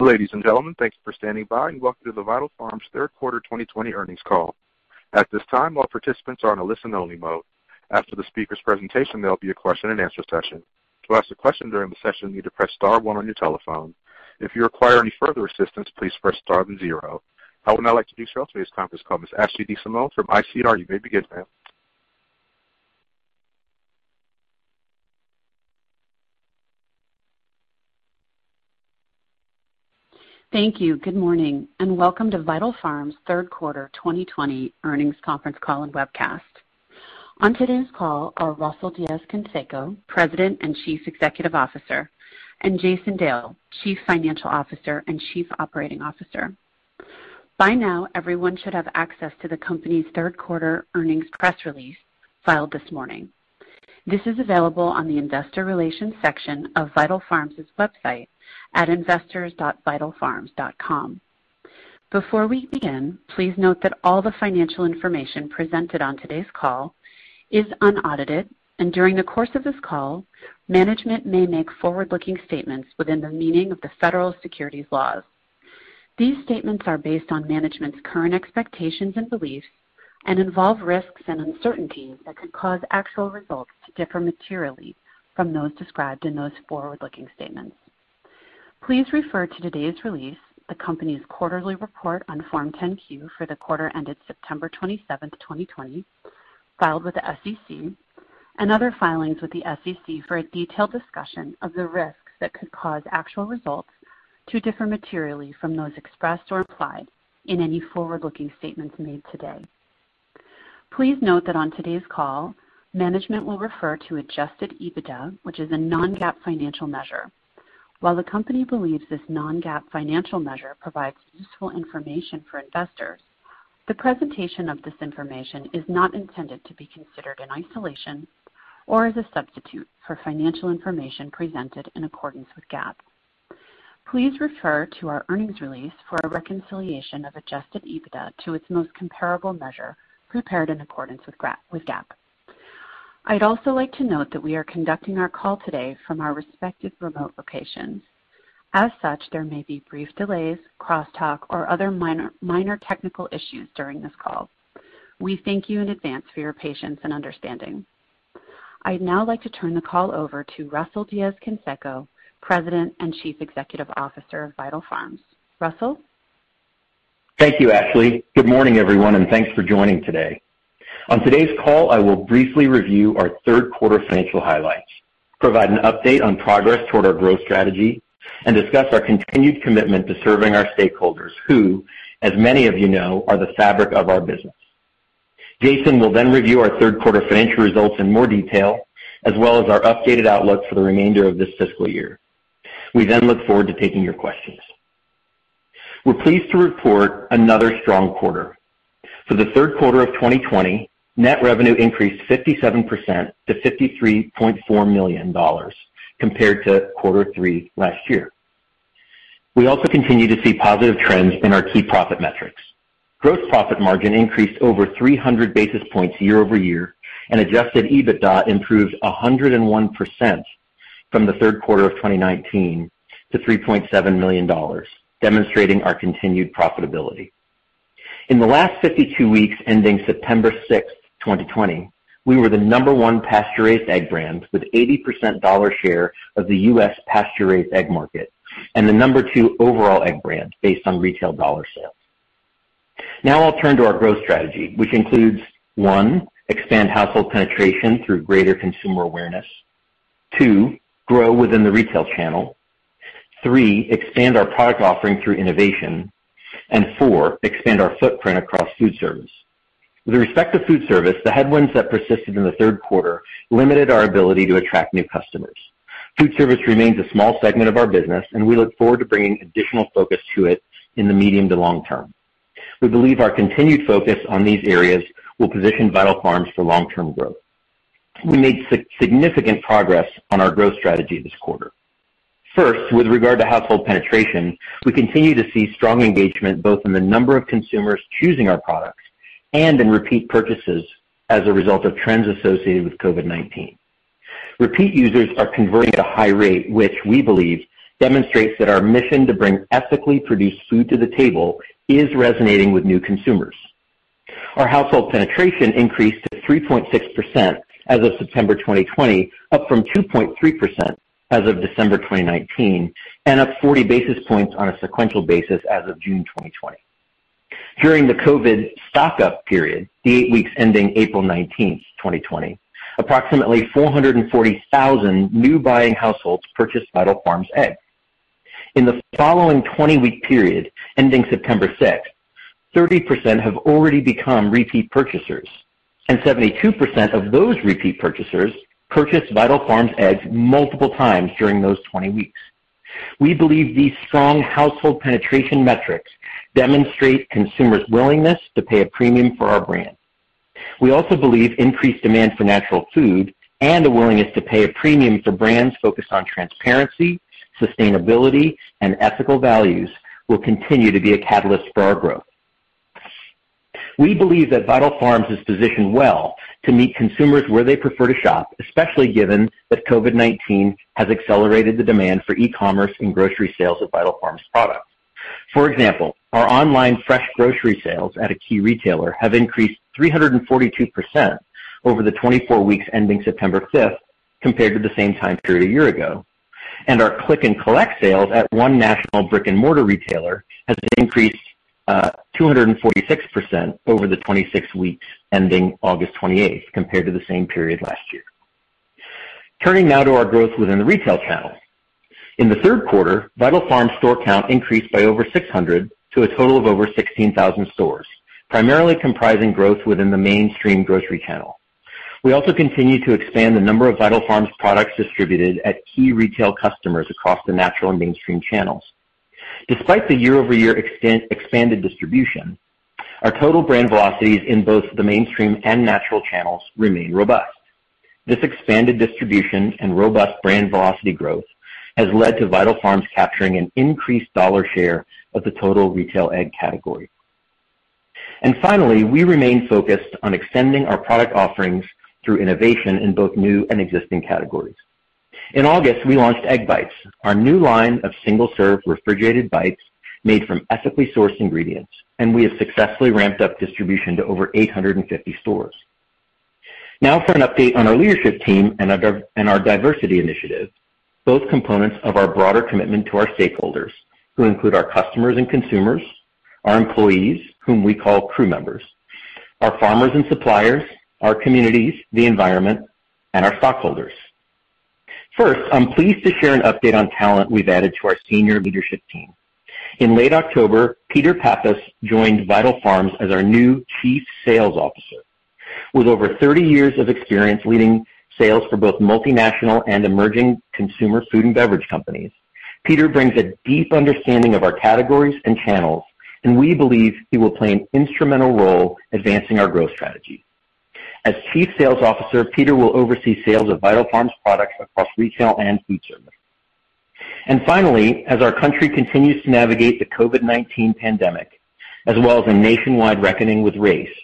Ladies and gentlemen, thank you for standing by and welcome to the Vital Farms Third Quarter 2020 earnings call. At this time, all participants are on a listen-only mode. After the speaker's presentation, there'll be a question-and-answer session. To ask a question during the session, you need to press star one on your telephone. If you require any further assistance, please press star and zero. I would now like to introduce our today's conference call, Ms. Ashley DeSimone from ICR. You may begin, ma'am. Thank you. Good morning and welcome to Vital Farms Third Quarter 2020 earnings conference call and webcast. On today's call are Russell Diez-Canseco, President and Chief Executive Officer, and Jason Dale, Chief Financial Officer and Chief Operating Officer. By now, everyone should have access to the company's third quarter earnings press release filed this morning. This is available on the investor relations section of Vital Farms' website at investors.vitalfarms.com. Before we begin, please note that all the financial information presented on today's call is unaudited, and during the course of this call, management may make forward-looking statements within the meaning of the federal securities laws. These statements are based on management's current expectations and beliefs and involve risks and uncertainties that could cause actual results to differ materially from those described in those forward-looking statements. Please refer to today's release, the company's quarterly report on Form 10-Q for the quarter ended September 27th, 2020, filed with the SEC, and other filings with the SEC for a detailed discussion of the risks that could cause actual results to differ materially from those expressed or implied in any forward-looking statements made today. Please note that on today's call, management will refer to Adjusted EBITDA, which is a non-GAAP financial measure. While the company believes this non-GAAP financial measure provides useful information for investors, the presentation of this information is not intended to be considered in isolation or as a substitute for financial information presented in accordance with GAAP. Please refer to our earnings release for a reconciliation of Adjusted EBITDA to its most comparable measure prepared in accordance with GAAP. I'd also like to note that we are conducting our call today from our respective remote locations. As such, there may be brief delays, crosstalk, or other minor technical issues during this call. We thank you in advance for your patience and understanding. I'd now like to turn the call over to Russell Diez-Canseco, President and Chief Executive Officer of Vital Farms. Russell? Thank you, Ashley. Good morning, everyone, and thanks for joining today. On today's call, I will briefly review our third quarter financial highlights, provide an update on progress toward our growth strategy, and discuss our continued commitment to serving our stakeholders who, as many of you know, are the fabric of our business. Jason will then review our third quarter financial results in more detail, as well as our updated outlook for the remainder of this fiscal year. We then look forward to taking your questions. We're pleased to report another strong quarter. For the third quarter of 2020, net revenue increased 57% to $53.4 million compared to quarter three last year. We also continue to see positive trends in our key profit metrics. Gross profit margin increased over 300 basis points year over year, and Adjusted EBITDA improved 101% from the third quarter of 2019 to $3.7 million, demonstrating our continued profitability. In the last 52 weeks ending September 6th, 2020, we were the number one pasture-raised egg brand with 80% dollar share of the U.S. pasture-raised egg market and the number two overall egg brand based on retail dollar sales. Now I'll turn to our growth strategy, which includes: one, expand household penetration through greater consumer awareness, two, grow within the retail channel, three, expand our product offering through innovation, and four, expand our footprint across foodservice. With respect to foodservice, the headwinds that persisted in the third quarter limited our ability to attract new customers. foodservice remains a small segment of our business, and we look forward to bringing additional focus to it in the medium to long term. We believe our continued focus on these areas will position Vital Farms for long-term growth. We made significant progress on our growth strategy this quarter. First, with regard to household penetration, we continue to see strong engagement both in the number of consumers choosing our products and in repeat purchases as a result of trends associated with COVID-19. Repeat users are converting at a high rate, which we believe demonstrates that our mission to bring ethically produced food to the table is resonating with new consumers. Our household penetration increased to 3.6% as of September 2020, up from 2.3% as of December 2019, and up 40 basis points on a sequential basis as of June 2020. During the COVID stock-up period, the eight weeks ending April 19th, 2020, approximately 440,000 new-buying households purchased Vital Farms eggs. In the following 20-week period, ending September 6th, 30% have already become repeat purchasers, and 72% of those repeat purchasers purchased Vital Farms eggs multiple times during those 20 weeks. We believe these strong household penetration metrics demonstrate consumers' willingness to pay a premium for our brand. We also believe increased demand for natural food and a willingness to pay a premium for brands focused on transparency, sustainability, and ethical values will continue to be a catalyst for our growth. We believe that Vital Farms is positioned well to meet consumers where they prefer to shop, especially given that COVID-19 has accelerated the demand for e-commerce and grocery sales of Vital Farms products. For example, our online fresh grocery sales at a key retailer have increased 342% over the 24 weeks ending September 5th compared to the same time period a year ago, and our click-and-collect sales at one national brick-and-mortar retailer have increased 246% over the 26 weeks ending August 28th compared to the same period last year. Turning now to our growth within the retail channel. In the third quarter, Vital Farms store count increased by over 600 to a total of over 16,000 stores, primarily comprising growth within the mainstream grocery channel. We also continue to expand the number of Vital Farms products distributed at key retail customers across the natural and mainstream channels. Despite the year-over-year expanded distribution, our total brand velocities in both the mainstream and natural channels remain robust. This expanded distribution and robust brand velocity growth has led to Vital Farms capturing an increased dollar share of the total retail egg category, and finally, we remain focused on extending our product offerings through innovation in both new and existing categories. In August, we launched Egg Bites, our new line of single-serve refrigerated bites made from ethically sourced ingredients, and we have successfully ramped up distribution to over 850 stores. Now for an update on our leadership team and our diversity initiative, both components of our broader commitment to our stakeholders, who include our customers and consumers, our employees, whom we call crew members, our farmers and suppliers, our communities, the environment, and our stockholders. First, I'm pleased to share an update on talent we've added to our senior leadership team. In late October, Peter Pappas joined Vital Farms as our new Chief Sales Officer. With over 30 years of experience leading sales for both multinational and emerging consumer food and beverage companies, Peter brings a deep understanding of our categories and channels, and we believe he will play an instrumental role advancing our growth strategy. As Chief Sales Officer, Peter will oversee sales of Vital Farms products across retail and foodservice. And finally, as our country continues to navigate the COVID-19 pandemic, as well as a nationwide reckoning with race,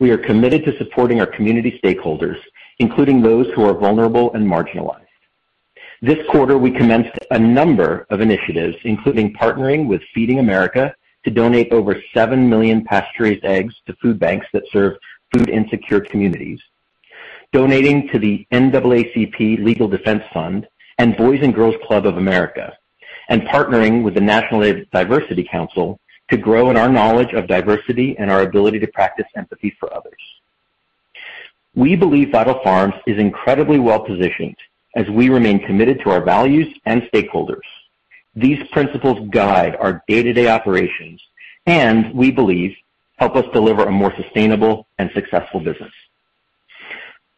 we are committed to supporting our community stakeholders, including those who are vulnerable and marginalized. This quarter, we commenced a number of initiatives, including partnering with Feeding America to donate over 7 million pasture-raised eggs to food banks that serve food-insecure communities, donating to the NAACP Legal Defense Fund and Boys & Girls Clubs of America, and partnering with the National Diversity Council to grow in our knowledge of diversity and our ability to practice empathy for others. We believe Vital Farms is incredibly well-positioned as we remain committed to our values and stakeholders. These principles guide our day-to-day operations and, we believe, help us deliver a more sustainable and successful business.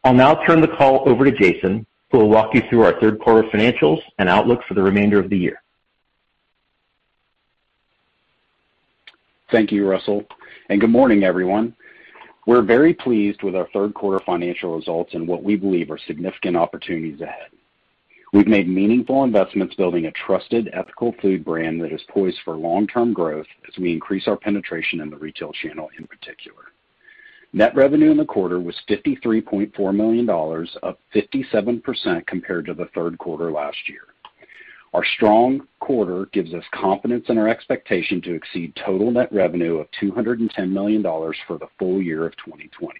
I'll now turn the call over to Jason, who will walk you through our third quarter financials and outlook for the remainder of the year. Thank you, Russell. Good morning, everyone. We're very pleased with our third quarter financial results and what we believe are significant opportunities ahead. We've made meaningful investments building a trusted, ethical food brand that is poised for long-term growth as we increase our penetration in the retail channel in particular. Net revenue in the quarter was $53.4 million, up 57% compared to the third quarter last year. Our strong quarter gives us confidence in our expectation to exceed total net revenue of $210 million for the full year of 2020,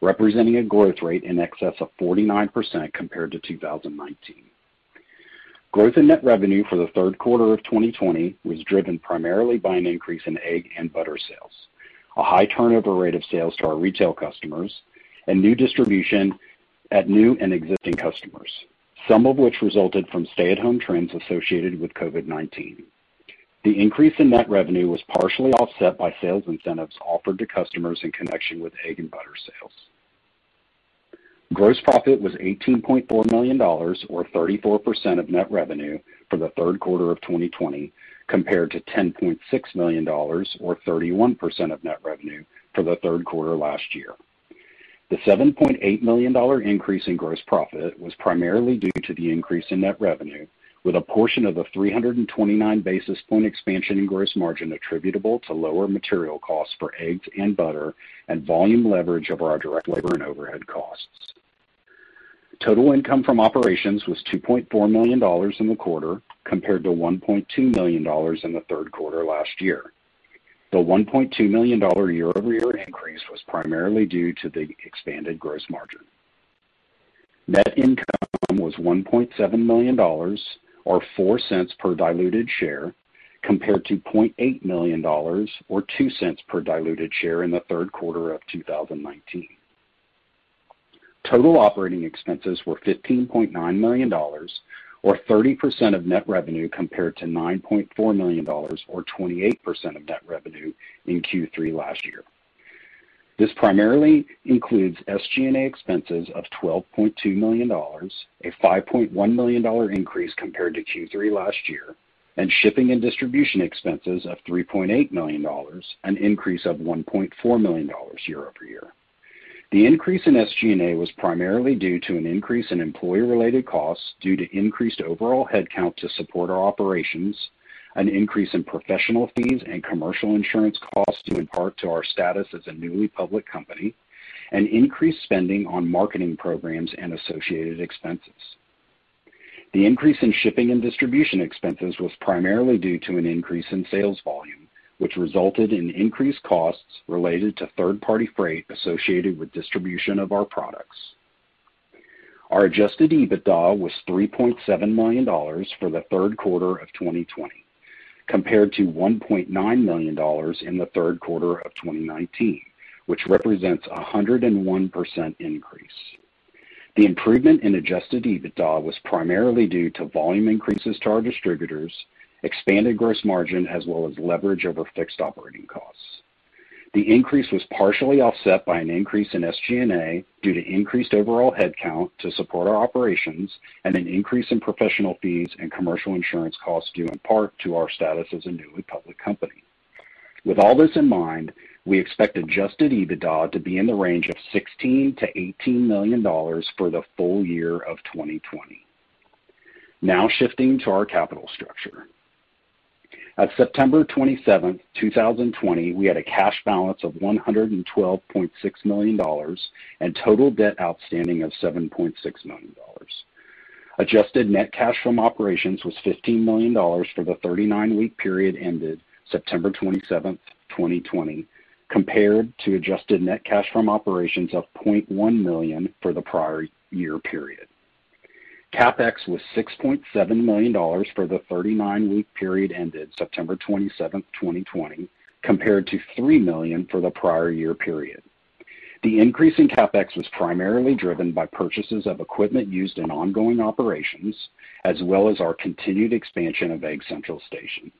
representing a growth rate in excess of 49% compared to 2019. Growth in net revenue for the third quarter of 2020 was driven primarily by an increase in egg and butter sales, a high turnover rate of sales to our retail customers, and new distribution at new and existing customers, some of which resulted from stay-at-home trends associated with COVID-19. The increase in net revenue was partially offset by sales incentives offered to customers in connection with egg and butter sales. Gross profit was $18.4 million, or 34% of net revenue for the third quarter of 2020, compared to $10.6 million, or 31% of net revenue for the third quarter last year. The $7.8 million increase in gross profit was primarily due to the increase in net revenue, with a portion of the 329 basis points expansion in gross margin attributable to lower material costs for eggs and butter and volume leverage of our direct labor and overhead costs. Total income from operations was $2.4 million in the quarter compared to $1.2 million in the third quarter last year. The $1.2 million year-over-year increase was primarily due to the expanded gross margin. Net income was $1.7 million, or $0.04 per diluted share, compared to $0.8 million, or $0.02 per diluted share in the third quarter of 2019. Total operating expenses were $15.9 million, or 30% of net revenue compared to $9.4 million, or 28% of net revenue in Q3 last year. This primarily includes SG&A expenses of $12.2 million, a $5.1 million increase compared to Q3 last year, and shipping and distribution expenses of $3.8 million, an increase of $1.4 million year-over-year. The increase in SG&A was primarily due to an increase in employee-related costs due to increased overall headcount to support our operations, an increase in professional fees and commercial insurance costs due in part to our status as a newly public company, and increased spending on marketing programs and associated expenses. The increase in shipping and distribution expenses was primarily due to an increase in sales volume, which resulted in increased costs related to third-party freight associated with distribution of our products. Our adjusted EBITDA was $3.7 million for the third quarter of 2020, compared to $1.9 million in the third quarter of 2019, which represents a 101% increase. The improvement in adjusted EBITDA was primarily due to volume increases to our distributors, expanded gross margin, as well as leverage over fixed operating costs. The increase was partially offset by an increase in SG&A due to increased overall headcount to support our operations and an increase in professional fees and commercial insurance costs due in part to our status as a newly public company. With all this in mind, we expect adjusted EBITDA to be in the range of $16-$18 million for the full year of 2020. Now shifting to our capital structure. At September 27th, 2020, we had a cash balance of $112.6 million and total debt outstanding of $7.6 million. Adjusted net cash from operations was $15 million for the 39-week period ended September 27th, 2020, compared to adjusted net cash from operations of $0.1 million for the prior year period. CapEx was $6.7 million for the 39-week period ended September 27th, 2020, compared to $3 million for the prior year period. The increase in CapEx was primarily driven by purchases of equipment used in ongoing operations, as well as our continued expansion of Egg Central Station.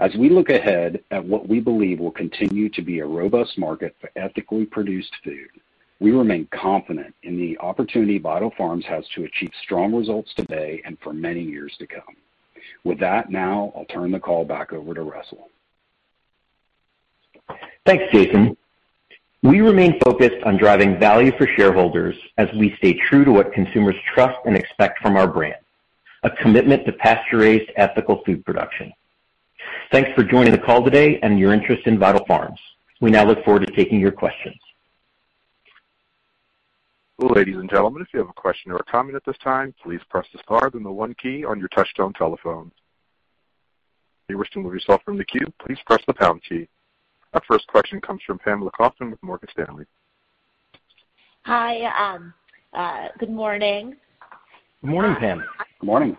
As we look ahead at what we believe will continue to be a robust market for ethically produced food, we remain confident in the opportunity Vital Farms has to achieve strong results today and for many years to come. With that, now I'll turn the call back over to Russell. Thanks, Jason. We remain focused on driving value for shareholders as we stay true to what consumers trust and expect from our brand, a commitment to pasture-raised, ethical food production. Thanks for joining the call today and your interest in Vital Farms. We now look forward to taking your questions. Ladies and gentlemen, if you have a question or a comment at this time, please press the star then the one key on your touch-tone telephone. If you wish to move yourself from the queue, please press the pound key. Our first question comes from Pamela Kaufman with Morgan Stanley. Hi. Good morning. Good morning, Pam. Good morning.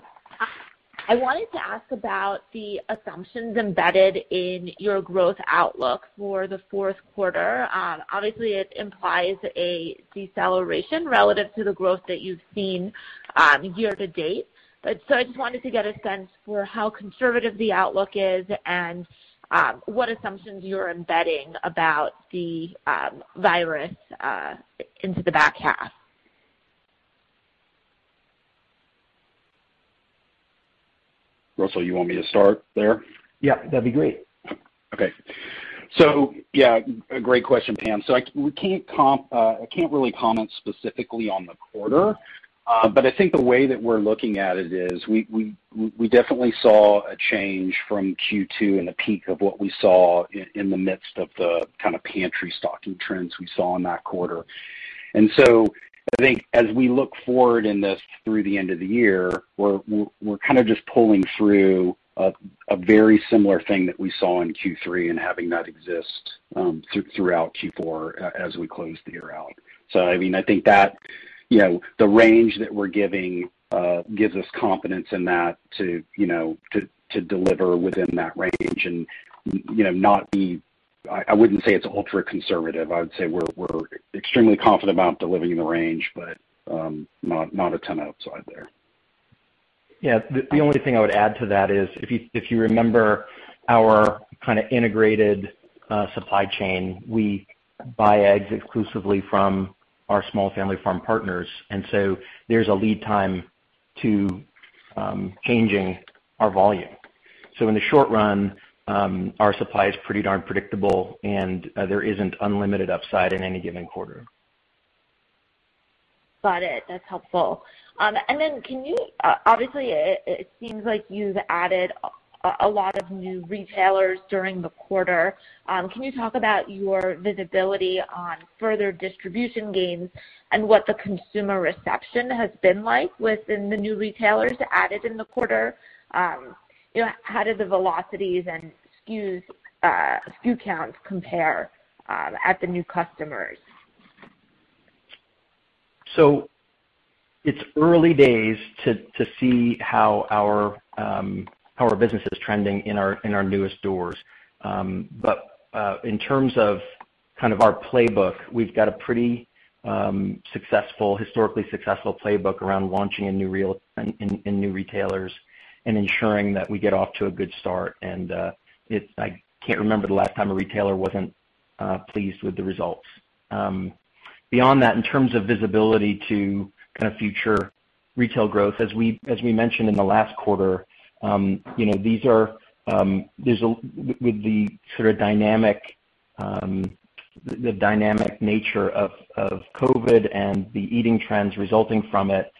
I wanted to ask about the assumptions embedded in your growth outlook for the fourth quarter. Obviously, it implies a deceleration relative to the growth that you've seen year to date. So I just wanted to get a sense for how conservative the outlook is and what assumptions you're embedding about the virus into the back half. Russell, you want me to start there? Yeah, that'd be great. Okay. So yeah, a great question, Pam. So I can't really comment specifically on the quarter, but I think the way that we're looking at it is we definitely saw a change from Q2 in the peak of what we saw in the midst of the kind of pantry stocking trends we saw in that quarter. And so I think as we look forward in this through the end of the year, we're kind of just pulling through a very similar thing that we saw in Q3 and having that exist throughout Q4 as we close the year out. So I mean, I think that the range that we're giving gives us confidence in that to deliver within that range and not be. I wouldn't say it's ultra-conservative. I would say we're extremely confident about delivering the range, but not a ton outside there. Yeah. The only thing I would add to that is if you remember our kind of integrated supply chain, we buy eggs exclusively from our small family farm partners. And so there's a lead time to changing our volume. So in the short run, our supply is pretty darn predictable, and there isn't unlimited upside in any given quarter. Got it. That's helpful. And then obviously, it seems like you've added a lot of new retailers during the quarter. Can you talk about your visibility on further distribution gains and what the consumer reception has been like within the new retailers added in the quarter? How did the velocities and SKU counts compare at the new customers? It's early days to see how our business is trending in our newest doors. But in terms of kind of our playbook, we've got a pretty historically successful playbook around launching a new retailer and ensuring that we get off to a good start. And I can't remember the last time a retailer wasn't pleased with the results. Beyond that, in terms of visibility to kind of future retail growth, as we mentioned in the last quarter, there's with the sort of dynamic nature of COVID and the eating trends resulting from it,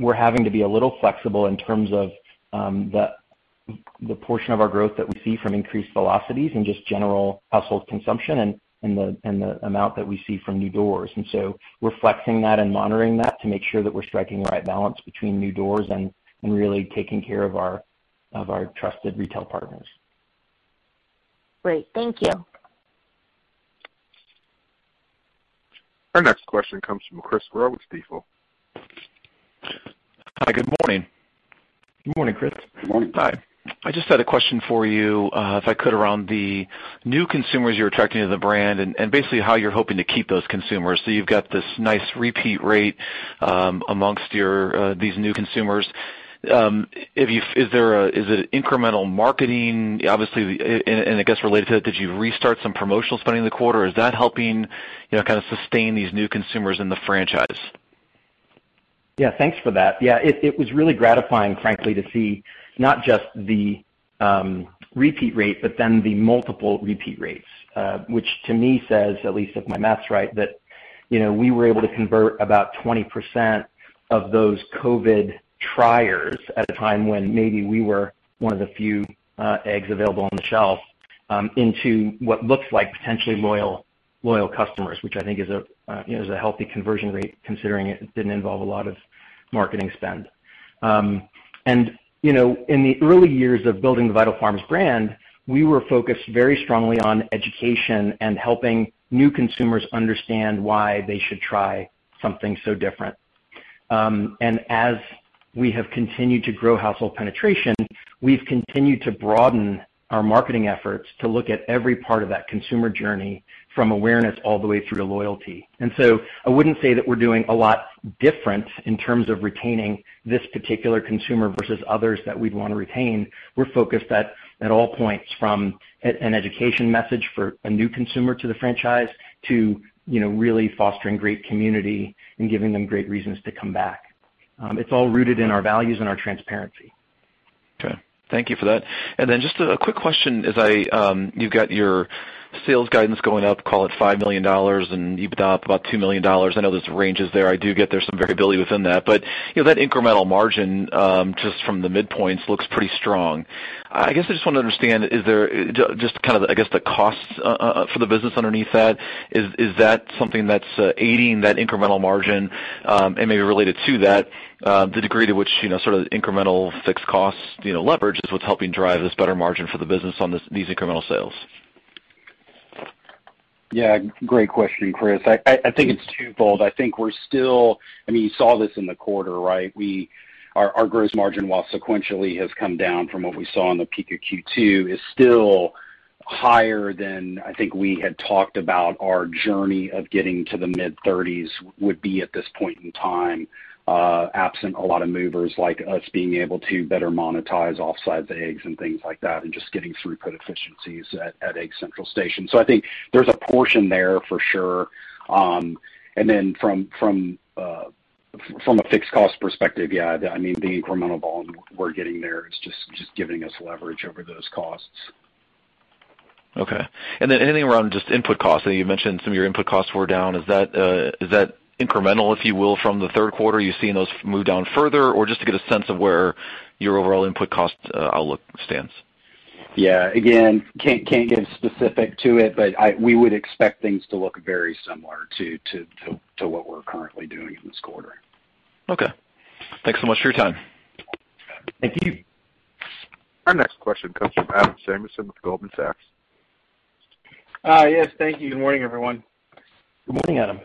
we're having to be a little flexible in terms of the portion of our growth that we see from increased velocities and just general household consumption and the amount that we see from new doors. We're flexing that and monitoring that to make sure that we're striking the right balance between new doors and really taking care of our trusted retail partners. Great. Thank you. Our next question comes from Chris Growe with Stifel. Hi. Good morning. Good morning, Chris. Good morning. Hi. I just had a question for you, if I could, around the new consumers you're attracting to the brand and basically how you're hoping to keep those consumers. So you've got this nice repeat rate amongst these new consumers. Is it incremental marketing? Obviously, and I guess related to that, did you restart some promotional spending in the quarter? Is that helping kind of sustain these new consumers in the franchise? Yeah. Thanks for that. Yeah. It was really gratifying, frankly, to see not just the repeat rate, but then the multiple repeat rates, which to me says, at least if my math's right, that we were able to convert about 20% of those COVID triers at a time when maybe we were one of the few eggs available on the shelf into what looks like potentially loyal customers, which I think is a healthy conversion rate considering it didn't involve a lot of marketing spend. And in the early years of building the Vital Farms brand, we were focused very strongly on education and helping new consumers understand why they should try something so different. And as we have continued to grow household penetration, we've continued to broaden our marketing efforts to look at every part of that consumer journey from awareness all the way through to loyalty. And so I wouldn't say that we're doing a lot different in terms of retaining this particular consumer versus others that we'd want to retain. We're focused at all points from an education message for a new consumer to the franchise to really fostering great community and giving them great reasons to come back. It's all rooted in our values and our transparency. Okay. Thank you for that. And then just a quick question. You've got your sales guidance going up, call it $5 million, and you've been up about $2 million. I know there's ranges there. I do get there's some variability within that. But that incremental margin just from the midpoints looks pretty strong. I guess I just want to understand, is there just kind of, I guess, the costs for the business underneath that? Is that something that's aiding that incremental margin? And maybe related to that, the degree to which sort of incremental fixed costs leverage is what's helping drive this better margin for the business on these incremental sales? Yeah. Great question, Chris. I think it's twofold. I think we're still. I mean, you saw this in the quarter, right? Our gross margin, while sequentially has come down from what we saw in the peak of Q2, is still higher than I think we had talked about our journey of getting to the mid-30s would be at this point in time, absent a lot of movers like us being able to better monetize off-size eggs and things like that and just getting throughput efficiencies at Egg Central Station. So I think there's a portion there for sure. And then from a fixed cost perspective, yeah, I mean, the incremental volume we're getting there is just giving us leverage over those costs. Okay, and then anything around just input costs? I know you mentioned some of your input costs were down. Is that incremental, if you will, from the third quarter? You've seen those move down further? Or just to get a sense of where your overall input cost outlook stands? Yeah. Again, can't get specific to it, but we would expect things to look very similar to what we're currently doing in this quarter. Okay. Thanks so much for your time. Thank you. Our next question comes from Adam Samuelson with Goldman Sachs. Hi. Yes. Thank you. Good morning, everyone. Good morning, Adam.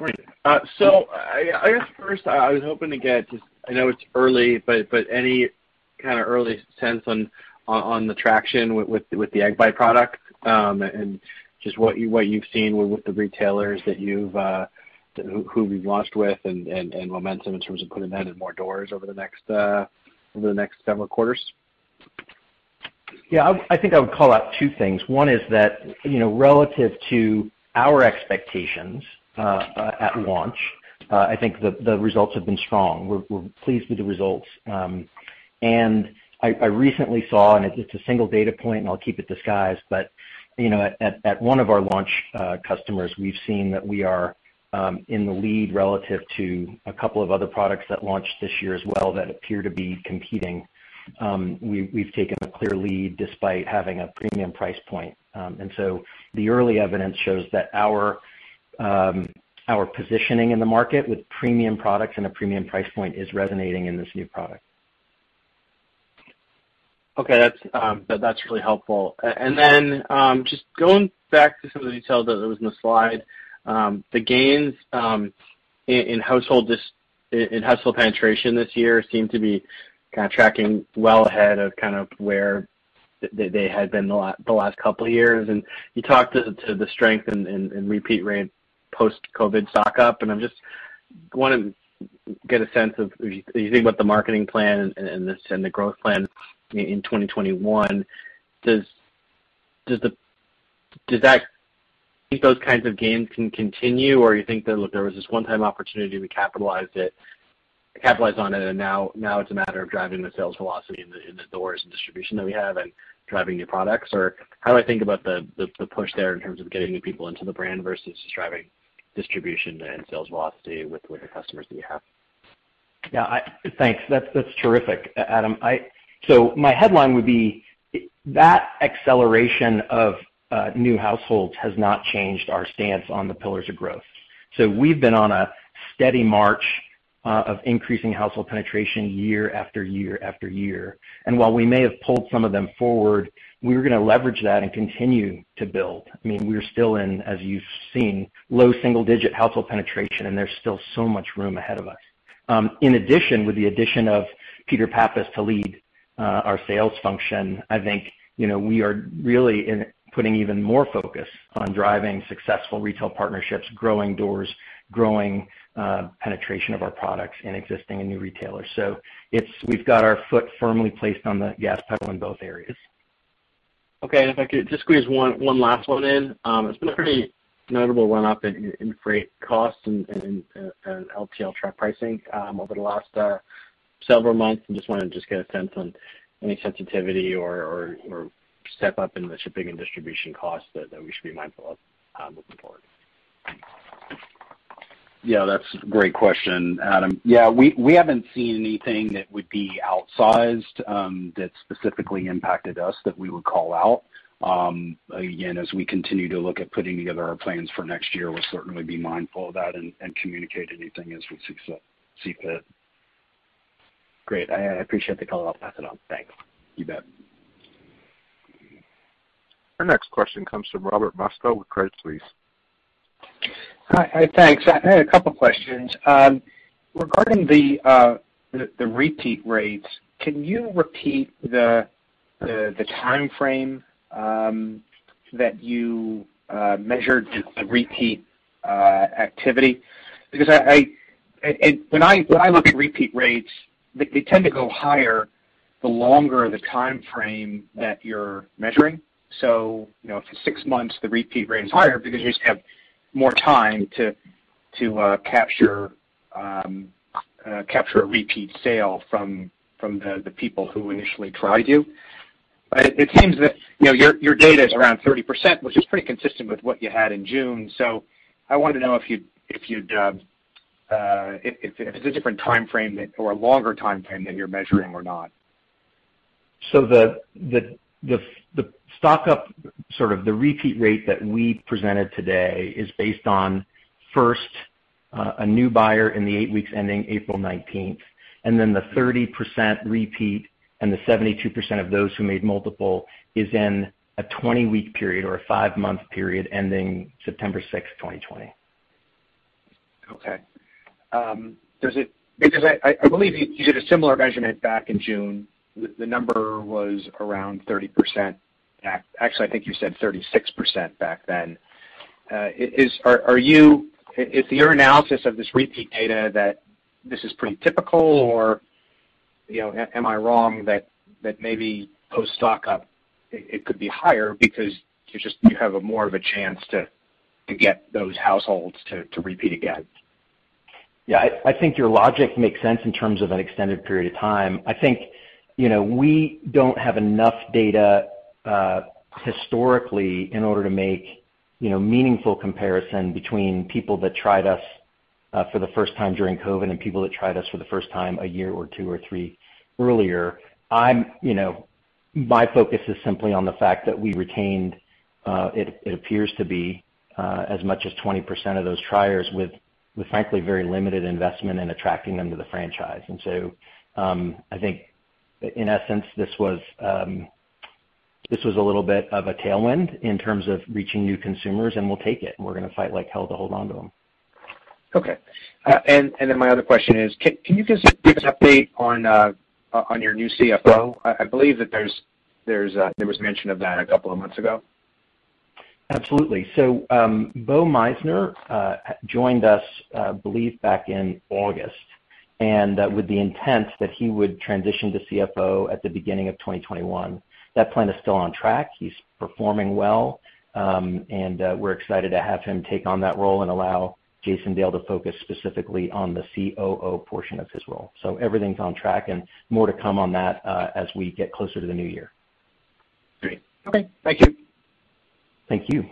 Good morning. So I guess first, I was hoping to get, I know it's early, but any kind of early sense on the traction with the Egg Bites and just what you've seen with the retailers who we've launched with and momentum in terms of putting that in more doors over the next several quarters? Yeah. I think I would call out two things. One is that relative to our expectations at launch, I think the results have been strong. We're pleased with the results, and I recently saw, and it's a single data point, and I'll keep it disguised, but at one of our launch customers, we've seen that we are in the lead relative to a couple of other products that launched this year as well that appear to be competing. We've taken a clear lead despite having a premium price point. And so the early evidence shows that our positioning in the market with premium products and a premium price point is resonating in this new product. Okay. That's really helpful. And then just going back to some of the detail that was in the slide, the gains in household penetration this year seem to be kind of tracking well ahead of kind of where they had been the last couple of years. And you talked to the strength and repeat rate post-COVID stock up. And I just want to get a sense of, if you think about the marketing plan and the growth plan in 2021, does that, do you think those kinds of gains can continue, or do you think that there was this one-time opportunity? We capitalized on it, and now it's a matter of driving the sales velocity in the doors and distribution that we have and driving new products? Or how do I think about the push there in terms of getting new people into the brand versus just driving distribution and sales velocity with the customers that you have? Yeah. Thanks. That's terrific, Adam. So my headline would be that acceleration of new households has not changed our stance on the pillars of growth. So we've been on a steady march of increasing household penetration year after year after year. And while we may have pulled some of them forward, we were going to leverage that and continue to build. I mean, we're still in, as you've seen, low single-digit household penetration, and there's still so much room ahead of us. In addition, with the addition of Peter Pappas to lead our sales function, I think we are really putting even more focus on driving successful retail partnerships, growing doors, growing penetration of our products in existing and new retailers. So we've got our foot firmly placed on the gas pedal in both areas. Okay. And if I could just squeeze one last one in. It's been a pretty notable run-up in freight costs and LTL truck pricing over the last several months. And just wanted to just get a sense on any sensitivity or step up in the shipping and distribution costs that we should be mindful of moving forward. Yeah. That's a great question, Adam. Yeah. We haven't seen anything that would be outsized that specifically impacted us that we would call out. Again, as we continue to look at putting together our plans for next year, we'll certainly be mindful of that and communicate anything as we see fit. Great. I appreciate the call. I'll pass it on. Thanks. You bet. Our next question comes from Robert Moskow with Credit Suisse. Hi. Thanks. I had a couple of questions. Regarding the repeat rates, can you repeat the timeframe that you measured the repeat activity? Because when I look at repeat rates, they tend to go higher the longer the timeframe that you're measuring. So for six months, the repeat rate is higher because you just have more time to capture a repeat sale from the people who initially tried you. But it seems that your data is around 30%, which is pretty consistent with what you had in June. So I wanted to know if it's a different timeframe or a longer timeframe that you're measuring or not. The stock up, sort of the repeat rate that we presented today is based on first a new buyer in the eight weeks ending April 19th, and then the 30% repeat and the 72% of those who made multiple is in a 20-week period or a five-month period ending September 6th, 2020. Okay. Because I believe you did a similar measurement back in June. The number was around 30%. Actually, I think you said 36% back then. Is your analysis of this repeat data that this is pretty typical, or am I wrong that maybe post-stock up it could be higher because you have more of a chance to get those households to repeat again? Yeah. I think your logic makes sense in terms of an extended period of time. I think we don't have enough data historically in order to make meaningful comparison between people that tried us for the first time during COVID and people that tried us for the first time a year or two or three earlier. My focus is simply on the fact that we retained, it appears to be, as much as 20% of those triers with, frankly, very limited investment in attracting them to the franchise. And so I think, in essence, this was a little bit of a tailwind in terms of reaching new consumers, and we'll take it. We're going to fight like hell to hold on to them. Okay. And then my other question is, can you give us an update on your new CFO? I believe that there was mention of that a couple of months ago. Absolutely. So Bo Meissner joined us, I believe, back in August with the intent that he would transition to CFO at the beginning of 2021. That plan is still on track. He's performing well, and we're excited to have him take on that role and allow Jason Dale to focus specifically on the COO portion of his role. So everything's on track, and more to come on that as we get closer to the new year. Great. Okay. Thank you. Thank you.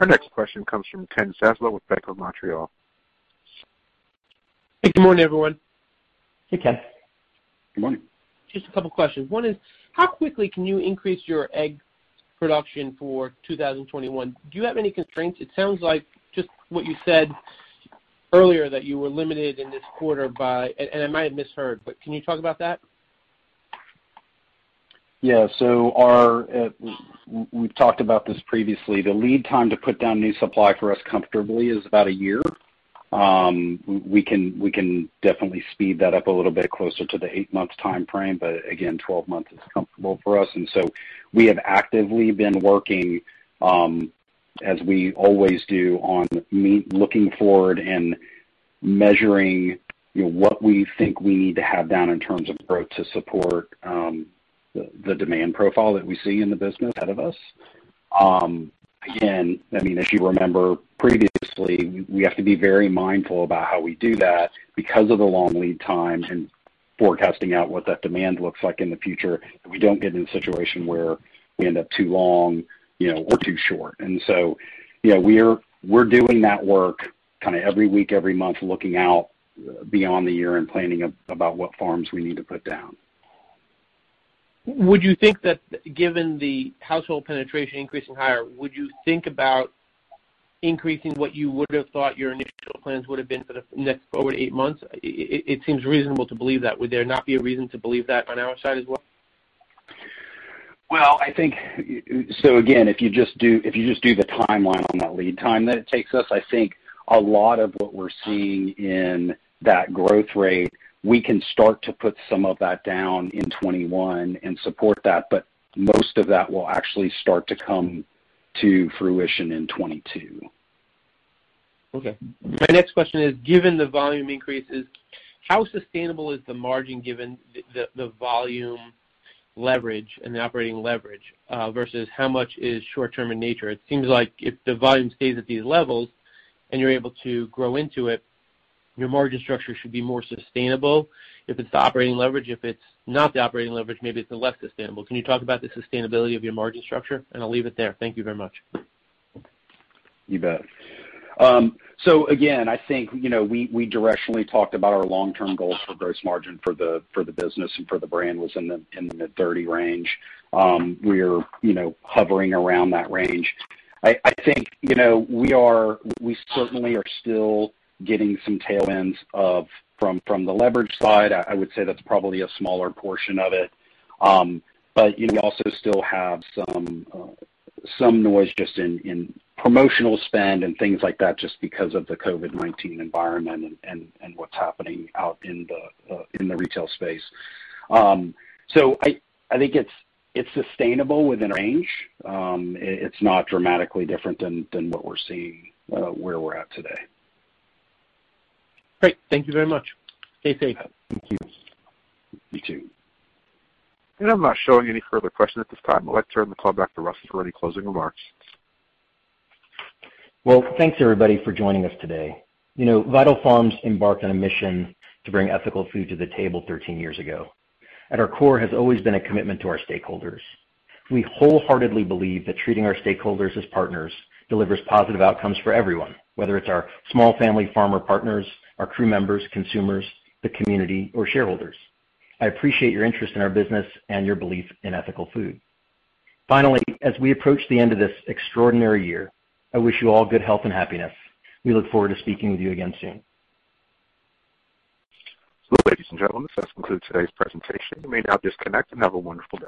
Our next question comes from Ken Zaslow with Bank of Montreal. Hey. Good morning, everyone. Hey, Ken. Good morning. Just a couple of questions. One is, how quickly can you increase your egg production for 2021? Do you have any constraints? It sounds like just what you said earlier that you were limited in this quarter by, and I might have misheard, but can you talk about that? Yeah. So we've talked about this previously. The lead time to put down new supply for us comfortably is about a year. We can definitely speed that up a little bit closer to the eight-month timeframe. But again, 12 months is comfortable for us. And so we have actively been working, as we always do, on looking forward and measuring what we think we need to have down in terms of growth to support the demand profile that we see in the business ahead of us. Again, I mean, as you remember previously, we have to be very mindful about how we do that because of the long lead time and forecasting out what that demand looks like in the future. We don't get in a situation where we end up too long or too short. And so we're doing that work kind of every week, every month, looking out beyond the year and planning about what farms we need to put down. Would you think that given the household penetration increasing higher, would you think about increasing what you would have thought your initial plans would have been for the next four to eight months? It seems reasonable to believe that. Would there not be a reason to believe that on our side as well? I think so again, if you just do the timeline on that lead time that it takes us, I think a lot of what we're seeing in that growth rate, we can start to put some of that down in 2021 and support that. Most of that will actually start to come to fruition in 2022. Okay. My next question is, given the volume increases, how sustainable is the margin given the volume leverage and the operating leverage versus how much is short-term in nature? It seems like if the volume stays at these levels and you're able to grow into it, your margin structure should be more sustainable. If it's the operating leverage, if it's not the operating leverage, maybe it's the less sustainable. Can you talk about the sustainability of your margin structure? And I'll leave it there. Thank you very much. You bet. So again, I think we directionally talked about our long-term goals for gross margin for the business and for the brand was in the mid-30 range. We're hovering around that range. I think we certainly are still getting some tailwinds from the leverage side. I would say that's probably a smaller portion of it. But we also still have some noise just in promotional spend and things like that just because of the COVID-19 environment and what's happening out in the retail space. So I think it's sustainable within range. It's not dramatically different than what we're seeing where we're at today. Great. Thank you very much. Stay safe. Thank you. You too. I'm not showing any further questions at this time. I'd like to turn the call back to Russell for any closing remarks. Thanks, everybody, for joining us today. Vital Farms embarked on a mission to bring ethical food to the table 13 years ago. At our core, it has always been a commitment to our stakeholders. We wholeheartedly believe that treating our stakeholders as partners delivers positive outcomes for everyone, whether it's our small family farmer partners, our crew members, consumers, the community, or shareholders. I appreciate your interest in our business and your belief in ethical food. Finally, as we approach the end of this extraordinary year, I wish you all good health and happiness. We look forward to speaking with you again soon. Absolutely. Thank you, Jon. This concludes today's presentation. You may now disconnect and have a wonderful day.